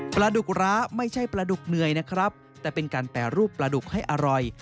ปลาดุกร้าไม่ใช่ปลาดุกเหนื่อยนะครับแต่เป็นการแปรรูปปลาดุกให้อร่อย